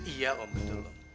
iya om itu loh